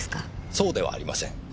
そうではありません。